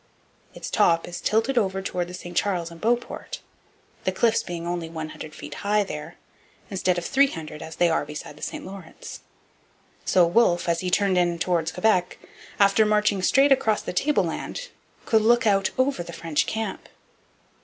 Its top is tilted over towards the St Charles and Beauport, the cliffs being only 100 feet high there, instead of 300, as they are beside the St Lawrence; so Wolfe, as he turned in towards Quebec, after marching straight across the tableland, could look out over the French camp.